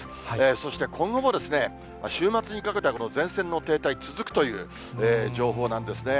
そして今後も、週末にかけては、この前線の停滞、続くという情報なんですね。